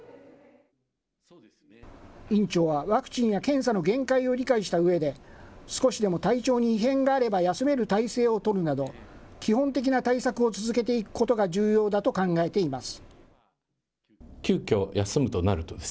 院長は、ワクチンや検査の限界を理解したうえで、少しでも体調に異変があれば休める態勢を取るなど、基本的な対策を続けていくことが重要だと考えています。